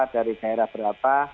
dari daerah berapa